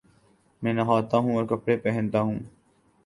میں نہاتاہوں اور کپڑے پہنتا ہوں